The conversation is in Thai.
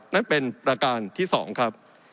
นั่นเป็นประการที่๒ครับ